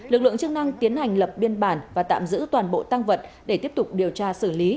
lực lượng chức năng tiến hành lập biên bản và tạm giữ toàn bộ tăng vật để tiếp tục điều tra xử lý